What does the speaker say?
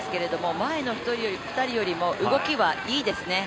前の２人よりも動きはいいですね。